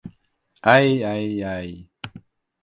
Ай, ай, ай!